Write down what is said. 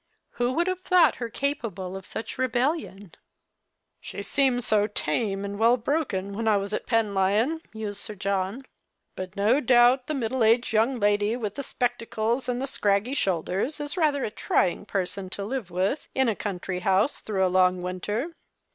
Who would have thought her capable of such rebellion ?" She seemed so tame and well broken when I was at Pen 1 yon," mused Sir John, " but no doubt that middle aged young lady with the spectacles and the scraggy shoulders is rather a trying person to live with, in a country house, through a long winter."